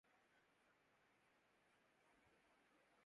کہ شکستہ ہو تو عزیز تر ہے نگاہ آئنہ ساز میں